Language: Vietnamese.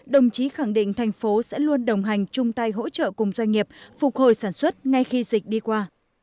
đồng chí khẳng định thành phố sẽ luôn đồng hành chung tay hỗ trợ cùng doanh nghiệp phục hồi sản xuất ngay khi dịch đi qua